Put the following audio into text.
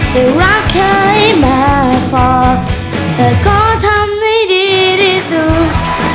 เธอรักเธอยังมากพอเธอขอทำให้ดีที่สุด